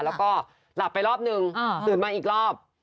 แล้วก็หลับไปรอบนึงตื่นมาอีกรอบ